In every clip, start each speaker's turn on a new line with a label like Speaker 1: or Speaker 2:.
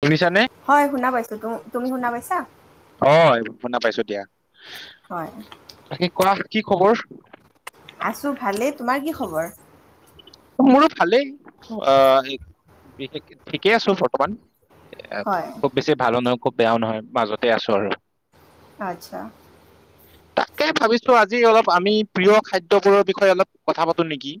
Speaker 1: শুনিছানে,
Speaker 2: হয় শুনা পাইছো তুম তুমি শুনা পাইছা
Speaker 1: অ শুনা পাইছো দিয়া।
Speaker 2: হয়
Speaker 1: বাকী কোৱা। কি খবৰ।
Speaker 2: আছোঁ ভালেই। তোমাৰ কি খবৰ?
Speaker 1: মোৰো ভালেই আহ বিশেষ ঠিকেই আছো বৰ্তমান।
Speaker 2: হয়
Speaker 1: খুব বেছি ভাল নহ। খুব বেয়াও নহয় মাজতে আছো আৰু।
Speaker 2: আচ্ছা
Speaker 1: তাকে ভাবিছো আজি অলপ আমি প্ৰিয় খাদ্যবোৰৰ বিষয়ে অলপ কথা পাতো নেকি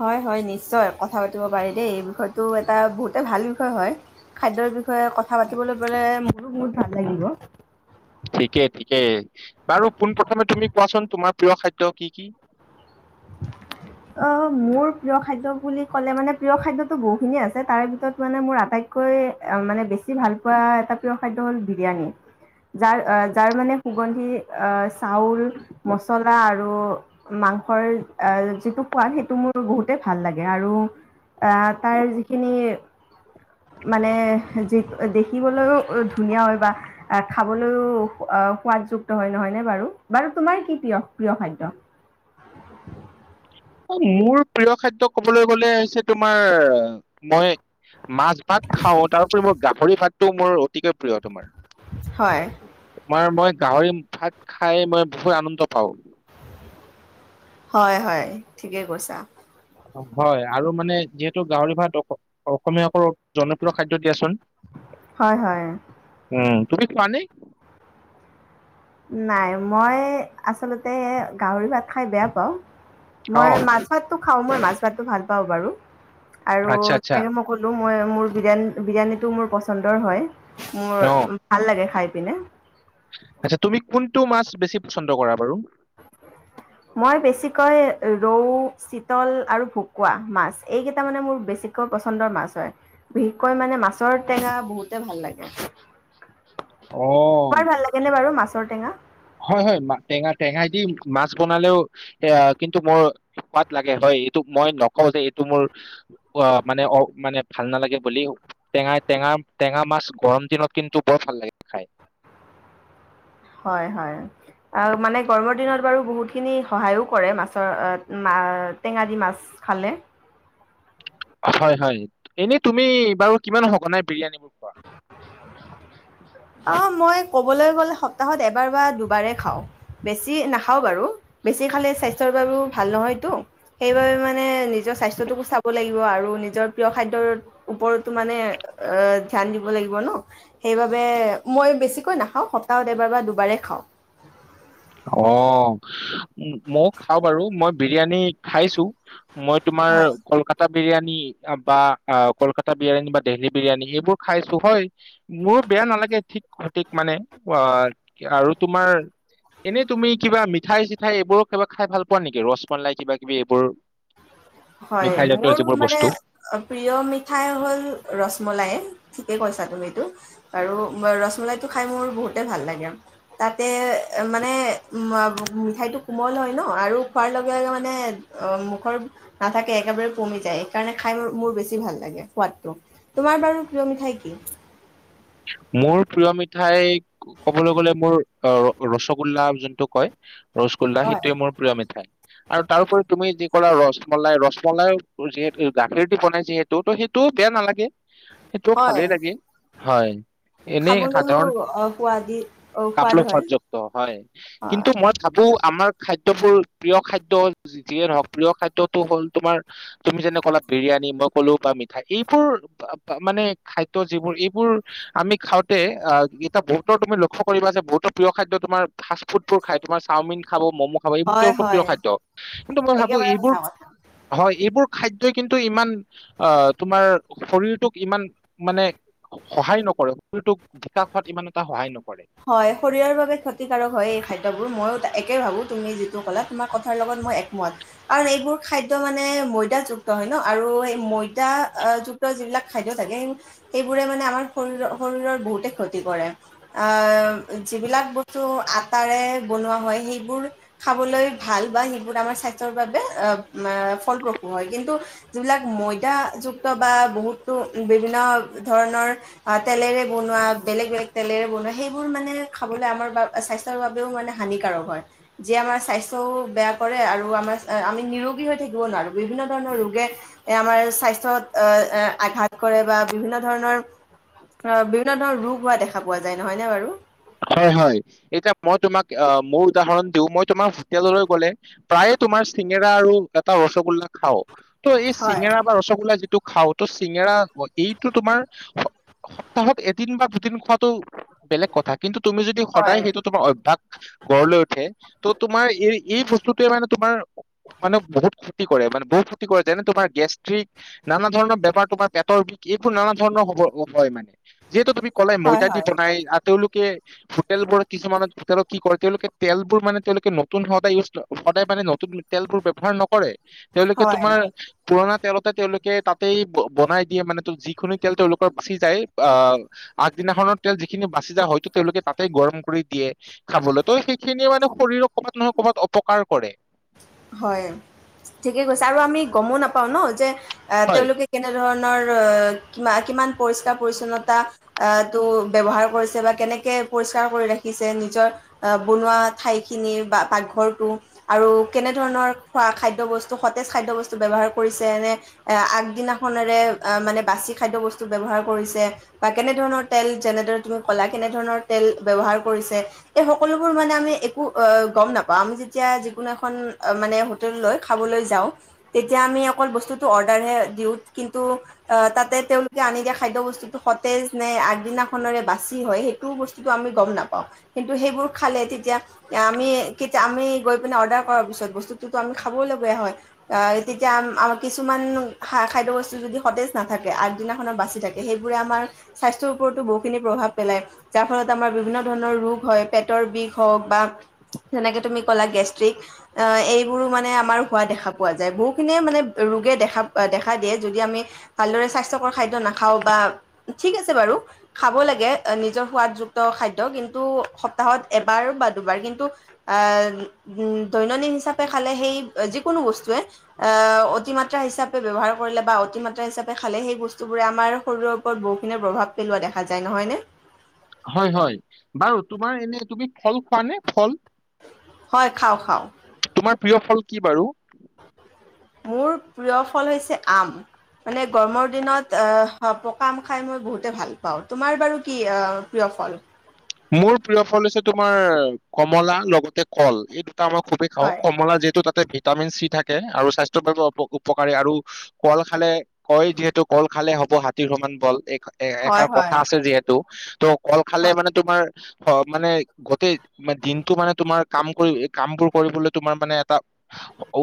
Speaker 2: হয় হয় নিশ্চয় কথা পাতিব পাৰি দেই। এই বিষয়টো এটা বহুতে ভাল বিষয় হয়। খাদ্যৰ বিষয়ে কথা পাতিবলৈ পালে মোৰো বহুত ভাল লাগিব।
Speaker 1: ঠিকেই ঠিকে বাৰু পোনপ্ৰথমে তুমি কোৱাচোন তোমাৰ প্ৰিয় খাদ্য কি কি?
Speaker 2: অ মোৰ প্ৰিয় খাদ্য বুলি ক'লে মানে প্ৰিয় খাদ্যতো বহুখিনিয়ে আছে তাৰে ভিতৰত মানে মোৰ আটাইতকৈ মানে বেছি ভাল পোৱা এটা প্ৰিয় খাদ্য হ'ল বিৰিয়ানী যাৰ যাৰ মানে সুগন্ধি চাউল মছলা আৰু আৰু মাংসৰ যিটো পোৱা সেইটো মোৰতো বহুত ভাল লাগে আৰু আহ তাৰ যিখিনি মানে যি দেখিবলৈও ধুনীয়া হয় বা খাবলৈও সোৱাদযুক্ত হয় নহয়নে বাৰু বাৰু তোমাৰ কি প্ৰিয় প্ৰিয় খাদ্য
Speaker 1: মোৰ প্ৰিয় খাদ্য ক'বলৈ গলে হৈছে তোমাৰ মই মাছ ভাগ খাওঁ তাৰপৰি মই গাহৰি ভাতটো মোৰ অতিকৈ প্ৰিয় তোমাৰ
Speaker 2: হয়
Speaker 1: মই গাহৰি ভাত খাই মই বহুত আনন্দ পাওঁ।
Speaker 2: হয় হয় ঠিকেই কৈছা।
Speaker 1: হয় আৰু মানে যিহেতু গাহৰি ভাত দক- অসমীয়াসকলৰ জনপ্ৰিয় খাদ্য দিয়াচোন
Speaker 2: হয় হয়
Speaker 1: উম [unintelligible]
Speaker 2: নাই মই আচলতে গাহৰি ভাত খাই বেয়া পাওঁ। মই
Speaker 1: অ',
Speaker 2: মাছতো খাওঁ মই মাছ ভাতটো ভাল পাওঁ বাৰু। আৰু
Speaker 1: আচ্ছা আচ্ছা
Speaker 2: তেনেকে মই কলোং মই মোৰ বিৰিয়ানী বিৰিয়ানীটো মোৰ পচন্দৰ হয় মোৰ
Speaker 1: অ',
Speaker 2: ভাল লাগে খাই। পিনে
Speaker 1: আচ্ছা তুমি কোনটো মাছ বেছি পছন্দ কৰা বাৰু?
Speaker 2: মই বেছিকৈ ৰৌ, চিতল আৰু ভকুৱা মাছ এইকেইটা মানে মোৰ বেছিকৈ পচন্দৰ মাছ হয়। বিশেষকৈ মানে মাছৰ টেঙা বহুতে ভাল লাগে।
Speaker 1: অ',
Speaker 2: তোমাৰ ভাল লাগে নে বাৰু মাছ? মাছৰ টেঙা
Speaker 1: হয় হয় ম টেঙা টেঙাই দি মাছ বনালেও এ কিন্তু মোৰ সোৱাদ লাগে হয় এইটো মই নকওঁ যে এইটো মোৰ অ মানে অ মানে ভাল নালাগে বুলি টেঙা টেঙা টেঙা মাছ গৰম দিনত কিন্তু বৰ ভাল লাগে খাই।
Speaker 2: হয় হয় আৰু মানে গৰমৰ দিনত বাৰু বহুতখিনি সহায়ো কৰে মাছৰ মা টেঙাদি মাছ খালে।
Speaker 1: হয় হয় এনেই তুমি বাৰু কিমান সঘনাই বিৰিয়ানীবোৰ খোৱা
Speaker 2: অ মই ক'বলৈ গ'লে সপ্তাহত এবাৰ বা দুবাৰেই খাওঁ বেছি নাখাওঁ বাৰু বেছি খালে স্বাস্থ্যৰ বাবেও ভাল নহয়তো সেইবাবে মানে নিজৰ স্বাস্থ্যটো কো চাব লাগিব আৰু নিজৰ প্ৰিয় খাদ্যৰ উওপৰতো মানে ধ্যান দিব লাগিব ন সেইবাবে এ মই বেছিকৈ নাখাওঁ সপ্তাহত এবাৰ বা দুবাৰেই খাওঁ
Speaker 1: অ মই খাওঁ বাৰু মই বিৰিয়ানী খাইছো মই তোমাৰ কলকাতাত বিৰিয়ানী তাৰ পৰা অঁ, কলকাতা বিৰিয়ানী বা দেলহী বিৰিয়ানী এইবোৰ খাইছোঁ হয়। মোৰ বেয়া নালাগে ঠিক সঠিক মানে, অঁ আৰু তোমাৰ এনেই তুমি কিবা মিঠাই চিঠাই এইবোৰো কিবা খাই ভাল পোৱা নেকি? ৰসমলাই কিবা কিবি এইবোৰ?
Speaker 2: হয়,
Speaker 1: মিঠাই জাতীয়
Speaker 2: মোৰ
Speaker 1: যিবোৰ
Speaker 2: মানে
Speaker 1: বস্তু?
Speaker 2: প্ৰিয় মিঠাই হ'ল ৰসমলাই। ঠিকে কৈছা তুমি এইটো, আৰু ৰসমলাইটো খাই মোৰ বহুতে ভাল লাগে। তাতে মানে মিঠাইটো কোমল হয় ন আৰু খোৱাৰ লগে লগে মানে মুখৰ নাথাকে একেবাৰে পমি যায়, সেইকাৰণে খাই মোৰ বেছি ভাল লাগে সোৱাদটো। তোমাৰ বাৰু প্ৰিয় মিঠাই কি?
Speaker 1: মোৰ প্ৰিয় মিঠাই ক'বলৈ গ'লে, মোৰ, ৰসগোল্লা যোনটোক কয়। ৰসগোল্লা,
Speaker 2: হয়
Speaker 1: সেইটোৱে মোৰ প্ৰিয় মিঠাই। আৰু তাৰোপৰি তুমি যি ক'লা ৰসমলাই, ৰসমলাইও, যিহেতু গাখীৰ দি বনাই, যিহেতু, তো সেইটো বেয়া নালাগে। সেইটোও
Speaker 2: হয়
Speaker 1: ভালেই লাগে। হয়। এনেই
Speaker 2: খাবলৈও
Speaker 1: সাধাৰণ,
Speaker 2: অ, সোৱাদি অ, সোৱাদ
Speaker 1: খাবলৈ
Speaker 2: হয়
Speaker 1: সোৱাদযুক্ত হয়, কিন্তু
Speaker 2: হয়
Speaker 1: মই ভাবোঁ আমাৰ খাদ্যয়বোৰ, প্ৰিয় খাদ্য যিয়ে নহওক, প্ৰিয় খাদ্যটো হ'ল, তোমাৰ, তুমি যেনে ক'লা বিৰিয়ানী মই ক'লো বা মিঠাই, এইবোৰ মানে খাদ্য যিবোৰ এই আমি খাওঁতে এতিয়া বহুতৰ তুমি লক্ষ্য কৰিবা যে, বহুতৰ প্ৰিয় খাদ্য তোমাৰ ফাষ্ট ফুডটোৰ খাই। তোমাৰ চাওমিন খাব মম' খাব এইবোৰ
Speaker 2: হয়
Speaker 1: তেওঁলোকৰ
Speaker 2: হয়
Speaker 1: প্ৰিয় খাদ্য। কিন্তু মই ভাবোঁ
Speaker 2: একেবাৰে
Speaker 1: এইবোৰ,
Speaker 2: সঁচা কথা
Speaker 1: হয় এইবোৰ খাদ্যয়ই কিন্তু ইমান, অ'হ তোমাৰ, শৰীৰটোক ইমান, মানে সহায় নকৰে, শৰীৰটোক বিকাশ হোৱাত ইমান এটা সহায় নকৰে।
Speaker 2: হয়, শৰীৰৰ বাবে ক্ষতিকাৰক হয় এই খাদ্য। ময়ো একেই ভাবোঁ, তুমি যিটো ক'লা, তোমাৰ কথাৰ লগত মই একমত। কাৰণ এইবোৰ খাদ্য মানে ময়দাযুক্ত হয় ন, আৰু এই ময়দা, যুক্ত যিবিলাক খাদ্য থাকে, সেইবোৰে মানে আমাৰ শৰৰীৰ, শৰীৰৰ বহুতে ক্ষতি কৰে। অ'হ, যিবিলাক বস্তু আটাৰে বনোৱা হয়, সেইবোৰ খাবলৈ ভাল বা সেইবোৰ আমাৰ স্বাস্থ্যৰ বাবে ফলপ্ৰসূ হয়, কিন্তু যিবিলাক ময়দাযুক্ত বা বহুতো বিভিন্ন ধৰণৰ তেলেৰে বনোৱা, বেলেগ বেলেগ তেলেৰে বনোৱা সেইবোৰ মানে খাবলৈ আমাৰ বাবে, স্বাস্থ্যৰ বাবেও মানে হানিকাৰক হয়। যিয়ে আমাৰ স্বাস্থ্যও বেয়া কৰে আৰু আমাৰ, আমি নিৰোগী হৈ থাকিব নোৱাৰোঁ। ‌ বিভিন্ন ধৰণৰ ৰোগে আমাৰ স্বাস্থ্যত আঘাত কৰে বা বিভিন্ন ধৰণৰ, বিভিন্ন ধৰণৰ ৰোগ হোৱা দেখা পোৱা যায়। নহয় নে বাৰু?
Speaker 1: হয়, হয়, এতিয়া মই তোমাক অ'হ মোৰ উদাহৰণ দিও, মই তোমাৰ হোটেললৈ গ'লে প্ৰায়ে তোমাৰ চিঙৰা আৰু এটা ৰসগোল্লা খাও। ত' এই
Speaker 2: হয়
Speaker 1: চিঙেৰা বা ৰসগোল্লা যিটো খাও তো চিঙেৰা এইটো তোমাৰ সপ্তাহত এদিন বা দুদিন খোৱাটো বেলেগ কথা। কিন্তু তুমি যদি
Speaker 2: হয়
Speaker 1: সদায়, সেইটো তোমাৰ অভ্যাস গঢ় লৈ উঠে, তো তোমাৰ এই, এই বস্তুটোৱে মানে তোমাৰ মানে বহুত ক্ষতি কৰে। মানে বহুত ক্ষতি কৰে, যেনে তোমাৰ গেষ্ট্ৰিক, নানা ধৰণৰ বেমাৰ, তোমাৰ পেটৰ বিষ এইবোৰ নানা ধৰণৰ হ'ব, হয় মানে যিহেতু তুমি ক'লে
Speaker 2: হয়
Speaker 1: ময়দা দি
Speaker 2: হয়
Speaker 1: বনাই। তেওঁলোকে হোটেলবোৰত, কিছুমানত হোটেলত কি কৰে, তেওঁলোকে তেলবোৰ মানে, তেওঁলোকে নতুন সদায় ইউজ, সদায় মানে নতুন তেলবোৰ ব্যৱহাৰ নকৰে। তেওঁলোকে
Speaker 2: হয়
Speaker 1: তোমাৰ পুৰণা তেলতে তেওঁলোকে তাতেই বনাই দিয়ে, মানে যিখিনি তেল তেওঁলোকৰ বাচি যায়, অঁহ, আগদিনাখনৰ তেল যিখিনি বাচি যায়, হয়তো তেওঁলোকে তাতেই গৰম কৰি দিয়ে, খাবলৈ। ত' সেইখিনিয়ে মানে শৰীৰৰ ক'বাত নহয় ক'ৰবাত অপকাৰ কৰে।
Speaker 2: হয়! ঠিকে কৈছে আৰু আমি গমোঁ নাপাও ন, যে অঁহ
Speaker 1: হয়।
Speaker 2: তেওঁলোকে কেনেধৰণ ৰ অ' কিমান পৰিষ্কাৰ পৰিচ্ছন্নতা টো ব্যৱহাৰ কৰিছে বা কেনেকে পৰিষ্কাৰ কৰি ৰাখিছে, নিজৰ বনোৱা ঠাইখিনিৰ বা পাকঘৰটো, আৰু কেনে ধৰণৰ খোৱা খাদ্য বস্তু, সতেজ খাদ্য বস্তু ব্যৱহাৰ কৰিছে নে আগদিনাখনেৰে, মানে বাচি খাদ্য বস্তু ব্যৱহাৰ কৰিছে বা কেনেধৰণৰ তেল, যেনেদৰে তুমি ক'লা কেনেধৰণৰ তেল ব্যৱহাৰ কৰিছে! এই সকলোবোৰ মানে আমি একো গম নাপাওঁ। আমি যেতিয়া যিকোনো এখন মানে হোটেললৈ, খাবলৈ যাওঁ, তেতিয়া আমি অকল বস্তুটো অৰ্ডাৰ হে দিওঁ। কিন্তু তাতে তেওঁলোকে আনি দিয়া খাদ্য বস্তুটো সতেজ নে, আগদিনাখনৰে বাছি হয়, সেইটো বস্তু আমি গম নাপাওঁ। কিন্তু সেইবোৰ খালে তেতিয়া, আমি তেতিয়া আমি গৈ পিনে পিছত বস্তুটো আমি খাবলৈ বেয়া হয়। আহ তেতিয়া আম-আমাৰ কিছুমান হা খাদ্য বস্তু যদি সতেজ নাথাকে আগদিনাখনত বাচি থাকে সেইবোৰে আমাৰ স্বাস্থ্যৰ ওপৰতো বহু খিনি প্ৰভাৱ পেলাই, যাৰ ফলত আমাৰ বিভিন্ন ধৰণৰ ৰোগ হয় পেটৰ বিষ হওক বা যেনেকে তুমি ক'লা গেষ্ট্ৰিক আহ এইবোৰো মানে আমাৰ হোৱা দেখা পোৱা যায়। বহুখিনিয়ে মানে ৰোগে দেখা দেখা দিয়ে যদি আমি ভালদৰে স্বাস্থ্যকৰ খাদ্য নাখাওঁ বা, ঠিক আছে বাৰু খাব লাগে নিজৰ সোৱাদযুক্ত খাদ্য কিন্তু সপ্তাহত এবাৰ বা দুবাৰ কিন্তু, আহ উ দৈনদিন হিচাপে খালে সেই, যিকোনো বস্তুৱে এ অতিমাত্ৰা হিচাপে ব্যৱহাৰ কৰিলে বা অতি মাত্ৰা হিচাপে খালে সেই বস্তুবোৰে আমাৰ শৰীৰৰ ওপৰত বহুখিনি প্ৰভাৱ পেলোৱা দেখা যায়, নহয়নে?
Speaker 1: হয় হয়। বাৰু তোমাৰ এনে তুমি ফল খোৱা নে ফল?
Speaker 2: হয়, খাওঁ খাওঁ।
Speaker 1: তোমাৰ প্ৰিয় ফল কি বাৰু?
Speaker 2: মোৰ প্ৰিয় ফল হৈছে আম, মানে গৰমৰ দিনত আহ পকা আম খাই মই বহুতে ভাল পাওঁ। তোমাৰ বাৰু কি আ প্ৰিয় ফল?
Speaker 1: মোৰ প্ৰিয় ফল হৈছে তোমাৰ কমলা, লগতে কল এইটো টা খুবেই খাওঁ,
Speaker 2: হয়,
Speaker 1: কমলা যিহেতো তা ভিটামিন চি থাকে আৰু স্বাস্থ্য বাবে অপ-উপকাৰী আৰু কল খালে কয় যিহেতু কল খালে হ'ব হাতীৰ সমান বল এক এ
Speaker 2: হয়,
Speaker 1: এষাৰ
Speaker 2: হয়,
Speaker 1: কথা আছে যিহেতু, ত কল খালে মানে তোমাৰ হ মানে গটেই দিনটো মানে তোমাৰ কাম কৰি কাম বোৰ কৰিবলৈ তোমাৰ মানে এটা,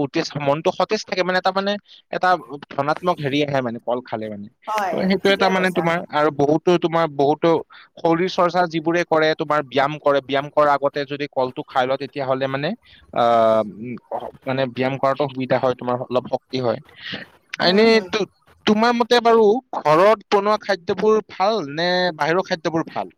Speaker 1: ওতেচ মনতটো সতেজ থাকে মানে এটা মানে এটা ধনাত্মক হেৰি আহে মানে। কল খালে মানে। ত
Speaker 2: হয়,
Speaker 1: সেইটো
Speaker 2: ঠিকে
Speaker 1: এটা মানে
Speaker 2: কৈছা।
Speaker 1: তোমাৰ আৰু বহুত- তো তোমাৰ বহুতো, শৰীৰ চৰ্চা যি- বোৰে কৰে তোমাৰ, ব্যায়াম কৰে। ব্যায়াম কৰা আগতে যদি কলটো খাই লোৱা তেতিয়াহ'লে মানে আহ, ম-মানে ব্যায়াম কৰাতো সুবিধা হয় তোমাৰ, অলপ শক্তি হয়। এনে
Speaker 2: হুম, হুম,
Speaker 1: তো-তোমাৰ মতে বাৰু ঘৰত বনোৱা খাদ্যবোৰ ভাল নে, বাহিৰৰ খাদ্যবোৰ ভাল?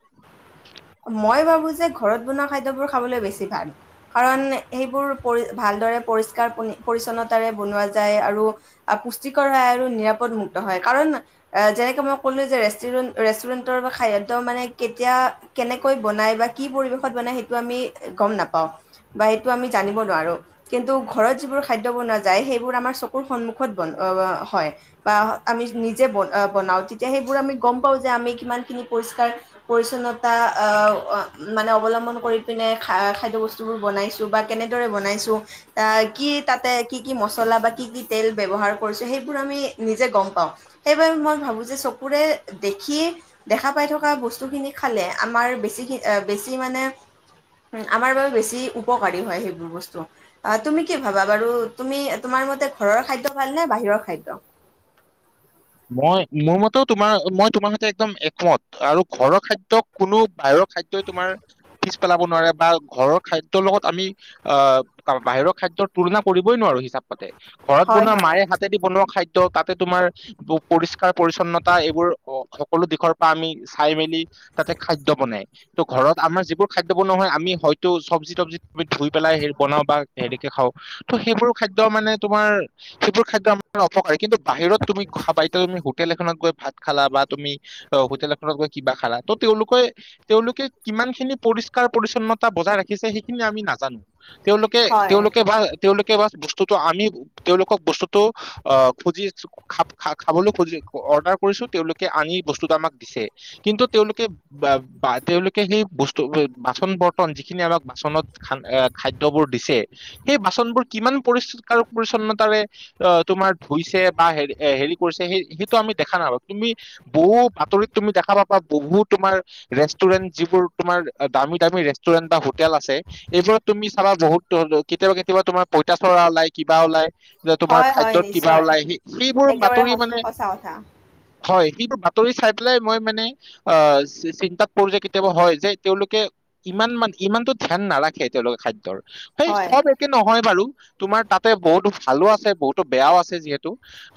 Speaker 2: মই ভাবোঁ যে ঘৰত বনোৱা খাদ্যবোৰ খাবলৈ বেছি ভাল। কাৰণ সেইবোৰ পৰি ভালদৰে পৰিষ্কাৰ-পনি পৰিচ্ছন্নতাৰে বনোৱা যায় আৰু আ পুষ্টিকৰ হয় আৰু নিৰাপদমুক্ত হয়। কাৰণ আ যেনেকে মই ক'লো যে ৰেষ্টিৰেণ্ট, ৰেষ্টুৰেণ্টৰ খাদ্য মানে কেতিয়া- কেনেকৈ বনায় বা কি পৰিৱেশত বনায় সেইটো আমি গম নাপাওঁ, বা এইটো আমি জানিব নোৱাৰোঁ। কিন্তু ঘৰত যিবোৰ খাদ্য বনোৱা যায়, সেইবোৰ আমাৰ চকুৰ সন্মুখত বন, অ অ হয়। বা আমি নিজে বন অ বনাওঁ, তেতিয়া সেইবোৰ আমি গম পাওঁ যে আমি কিমানখিনি পৰিষ্কাৰ পিৰচনত তা আহ অ, মানে অৱলম্বন কৰি পিনে খা-খাদ্য বস্তুবোৰ বনাইছোঁ বা কেনেদৰে বনাইছোঁ। আহ কি তাতে কি কি মছলা বা কি কি তেল ব্যৱহাৰ কৰিছোঁ, সেইবোৰ আমি নিজে গম পাওঁ। সেইবাবে মই ভাবোঁ যে চকুৰে দেখি দেখা পাই থকা বস্তুখিনি খা- খালে আমাৰ বেছিশি অ, বেছি মানে, হম, আমাৰ বাবে বেছি উপকাৰী হয় সেইবোৰ বস্তু। আহ, তুমি কি ভাবা বাৰু, তুমি তোমাৰ মতে ঘৰৰ খাদ্য ভাল নে বাহিৰৰ খাদ্য?
Speaker 1: মই, মোৰ মতেও তোমাৰ, মই তোমাৰ সৈতে একদম একমত। আৰু ঘৰৰ খাদ্যক কোনো বাহিৰৰ- খাদ্যই তোমাৰ পিছ পেলাব নোৱাৰে বা, ঘৰৰ খাদ্যৰ লগত আমি আহ, বাহিৰৰ খাদ্যৰ তুলনা কৰিবই নোৱাৰোঁ হিচাপ মতে। ঘৰত
Speaker 2: হয়
Speaker 1: বনোৱা
Speaker 2: হয়
Speaker 1: মাৰে হাতেদি বনোৱা খাই দ্য, তাতে তোমাৰ প পৰিষ্কাৰ-পৰিচ্ছন্নতা এইবোৰ অ সকলো দিশৰ পৰা আমি চাই-মেলি তাতে খাদ্য বনে। ত ঘৰত আমাৰ যিবোৰ খাদ্য বনোৱা হয়, আমি হয়তো চব্‌জি-তব্‌জিবোৰ ধুই পেলাই হেৰি বনাওঁ বা হেৰিকে খাওঁ। ত' সেইবোৰ খাদ্য মানে তোমাৰ সেইবোৰ খাদ্য আমাৰ অপকাৰী কিন্তু বা তুমি খাবা [unintelligible] হোটেল এখনত গৈ ভাত খালা বা তুমি অ হোটেল এখনত গৈ কিবা খালা, ত তেওঁলোকে তেওঁলোকে কিমান খিনি পৰিষ্কাৰ-পৰিচ্ছন্নতা বজাই ৰাখিছে সেইখিনি আমি নাজানোঁ। তেওঁলোকে,
Speaker 2: হয়
Speaker 1: তেওঁলোকে ভাল, তেওঁলোক কে বা বস্তুটো আমি, তেওঁলোকক বস্তুটো অ, খুজিছোঁ খাব খা খাবলৈ খুজি অৰ্ডাৰ কৰিছোঁ তেওঁলোকে আনি বস্তুত আমাক দিছে। কিন্তু তেওঁলোকে ব-বা তেওঁলোকে সেই বস্তু ব বাচন-বৰ্তন যিখিনি আমাক বাচনত খান এ খাদ্যবোৰ দিছে। সেই বাচনবোৰ কিমান পৰিষ্কাৰ-পৰিচ্ছন্নতাৰে আ তোমাৰ ধুইছে বা হেৰি এ হেৰি কৰিছে, সেই সেইটো আমি দেখা নাপাওঁ। তুমি বহু বাতৰিত তুমি দেখা পাবা, বহুত তোমাৰ ৰেষ্টুৰেন্ট যিবোৰ তোমাৰ দামী দামী ৰেষ্টুৰেন্ট বা হোটেল আছে, এইবোৰত তুমি চাবা বহুত ধৰন কেতিয়াবা কেতিয়াবা তোমাৰ পঁইতাচোৰা ওলাই, কিবা ওলাই। যে তোমাৰ
Speaker 2: হয় হয়
Speaker 1: খাদ্যত কিবা
Speaker 2: নিশ্চয়
Speaker 1: ওলাইহি
Speaker 2: একেবাৰে সচ - সঁচা কথা।
Speaker 1: হয়। সেইবোৰ বাতৰি চাই পেলে মই মানে, অ - চি - চিন্তাত পৰো যে কেতিয়াবা হয় যে, তেওঁলোকে ইমান মান - ইমানতো ধ্যান নাৰাখে তেওঁলোকে খাদ্যৰ। সেই,
Speaker 2: হয়
Speaker 1: চব একে নহয়। বাৰু, তোমাৰ তাতে বহুতো ভালো আছে বহুতো বেয়াও আছে যিহেতু।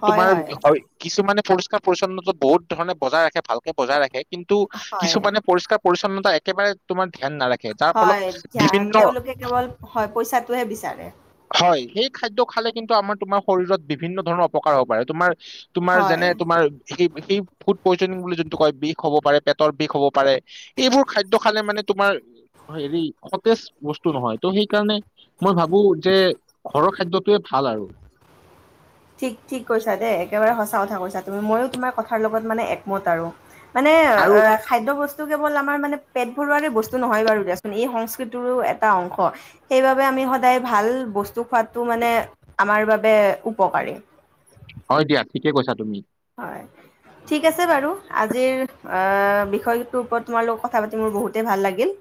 Speaker 1: তোমাৰ হয়, কিছুমানে পৰিষ্কাৰ-পৰিচ্ছন্নতা বহুত ধৰণে বজাই ৰাখে, ভালকে বজাই ৰাখে। কিন্তু
Speaker 2: হয়
Speaker 1: কিছুমানে পৰিষ্কাৰ-পৰিচ্ছন্ন ত একেবাৰে তোমাৰ ধ্যান নাৰা
Speaker 2: হয়, ধ্যা তেওঁলোকে কেৱল, হয়। পইচাটোহে বিচাৰে।
Speaker 1: হয়, সেই খাদ্য খালে কিন্তু আমাৰ - তোমাৰ শৰীৰত বিভিন্ন ধৰণৰ পকাৰ হ'ব পাৰে। তোমাৰ তোমাৰ যেনে
Speaker 2: হয়।
Speaker 1: তোমাৰ সেই - সেই ফুড পয়জনিং বুলি যোনটো কয়, বিষ হ'ব পাৰে, পেটৰ বিষ হ'ব পাৰে। এইবোৰ খাদ্য খালে মানে তোমাৰ হেৰি, সতেজ বস্তু নহয়। ত' সেইকাৰণে মই ভাবোঁ যে ঘৰৰ খাদ্যটোৱে ভাল আৰু।
Speaker 2: ঠিক - ঠিক কৈছা দে একেবাৰে সঁচ সঁচা কথা কৈছা তুমি ময়ো তোমাৰ কথাৰ লগত মানে একমত আৰু। মানে অ
Speaker 1: আৰু
Speaker 2: - অ - খাদ্য বস্তু‌ টো কেৱল আমাৰ মানে পেট ভৰোৱাৰে বস্তু নহয় বাৰু দিয়াচোন, ‌ এই সংস্কৃতিৰো এটা অংশ। সেইবাবে আমি সদায় ভাল বস্তু খোৱাটো মানে আমাৰ‌ বাবে পকাৰী।
Speaker 1: হয় দিয়া, ঠিকে কৈছা তুমি।
Speaker 2: [unintelligible] ঠিক আছে বাৰু আজিৰ অ' বিষয়টোৰ ওপৰত তোমাৰ লগত কথা পাতি মোৰ বহুতে ভাল লাগিল।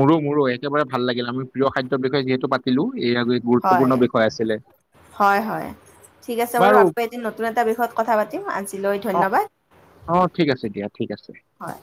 Speaker 1: মোৰো মোৰো একেবাৰে ভাল লাগিল আমি প্ৰিয় খাদ্যৰ বিষয়ে যিহেতু পাতিলো। এয়া
Speaker 2: হয়,
Speaker 1: গুৰুত্বপূৰ্ণ বিষয় আছিলে।
Speaker 2: হয় হয়। ঠিক আছে বাৰু আকৌ এদিন নতুন এটা বিষয়ত কথা পাতিম, আজিলৈ
Speaker 1: অ'
Speaker 2: ধন্যবাদ।
Speaker 1: অ' ঠিক আছে দিয়া ঠিক আছে।
Speaker 2: হয়।